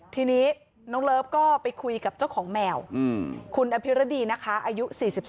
ทีนี้น้องเลิฟก็ไปคุยกับเจ้าของแมวคุณอภิรดีนะคะอายุ๔๒